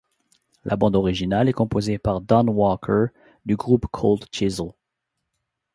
La bande originale est composée par Don Walker, du groupe Cold Chisel.